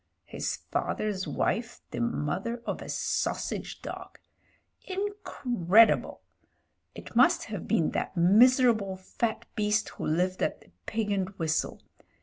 His father's wife the mother of a sausage dog! Incredible! It must have been that miserable fat beast who lived at the Pig and Whistle.